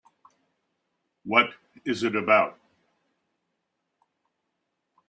What is it about?